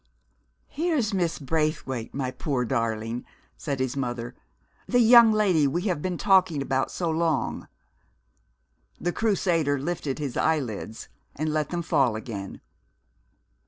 "Here's Miss Braithwaite, my poor darling," said his mother. "The young lady we have been talking about so long." The Crusader lifted his eyelids and let them fall again.